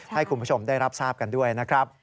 ให้คุณผู้ชมได้รับทราบกันด้วยนะครับ